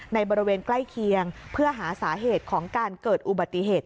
บริเวณใกล้เคียงเพื่อหาสาเหตุของการเกิดอุบัติเหตุ